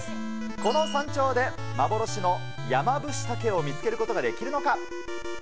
この山頂で幻のヤマブシタケを見つけることができるのか。